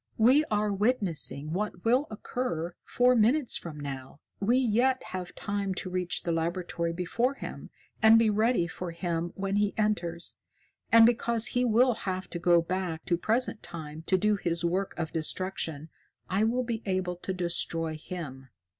We are witnessing what will occur four minutes from now. We yet have time to reach the laboratory before him and be ready for him when he enters. And because he will have to go back to Present Time to do his work of destruction, I will be able to destroy him.